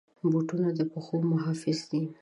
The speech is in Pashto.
بوټونه د پښو محافظ دي.